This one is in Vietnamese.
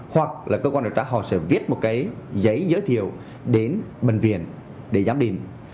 hoặc là cơ quan điều tra họ sẽ viết một cái giấy giới thiệu đến bệnh viện để giám định